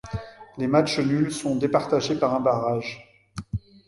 Les matchs nuls sont départagés par un barrage.